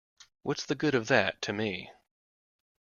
What's the good of that to me?